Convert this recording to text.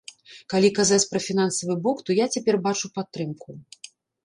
Калі казаць пра фінансавы бок, то я цяпер бачу падтрымку.